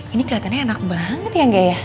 ini keliatannya enak banget ya gaya